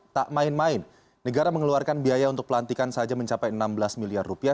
tak main main negara mengeluarkan biaya untuk pelantikan saja mencapai enam belas miliar rupiah